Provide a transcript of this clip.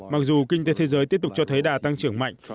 mặc dù kinh tế thế giới tiếp tục cho thấy đà tăng trưởng mạnh